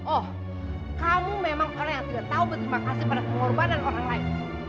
oh kamu memang orang yang tidak tahu berterima kasih pada pengorbanan orang lain